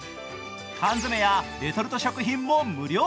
缶詰やレトルト食品も無料。